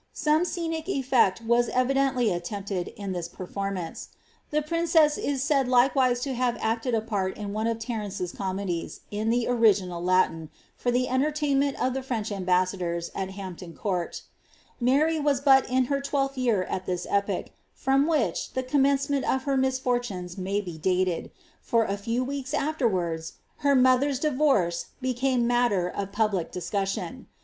Some scenic effect was evidently attempted in this performance. The princess is said likewise to have acted a part in one of Terence^s comedies, in the original Latin, for the entertain ment of the French ambassadors, at Hampton Court Mary was bat is her twelfth year at this epoch, from which the commencement of her misfortunes may be dated ; for a few weeks afterwards^ her mothef'i divorce became matter of public discussion.